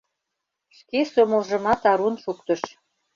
Шке сомылжымат арун шуктыш.